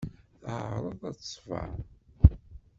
Teɛreḍ ad t-tṣebber.